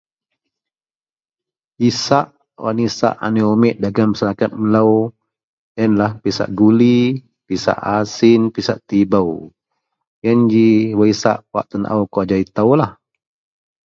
isak wak nisak aneak umik wak dagen masyarakat melou ien lah ,pisak guli, pisak asin, pisak tibou, ien ji wak isak wak tenaau kou ajau itoulah